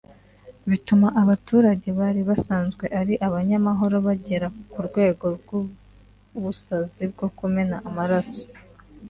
bituma abaturage bari basanzwe ari abanyamahoro bagera ku rwego rw’ubusazi bwo kumena amaraso